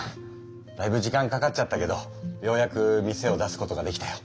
だいぶ時間かかっちゃったけどようやく店を出すことができたよ。